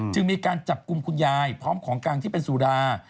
มีการจับกลุ่มคุณยายพร้อมของกลางที่เป็นสุรา